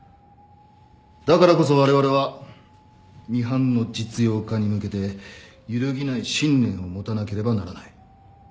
だからこそわれわれはミハンの実用化に向けて揺るぎない信念を持たなければならない。